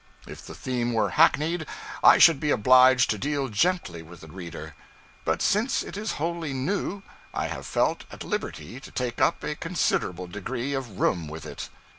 If the theme were hackneyed, I should be obliged to deal gently with the reader; but since it is wholly new, I have felt at liberty to take up a considerable degree of room with it.